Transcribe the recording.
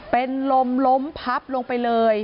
เป็นลมล้มพับลงไปเลย